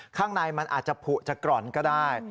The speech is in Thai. ข้างในมันอาจจะผูกจะกร่อนก็ได้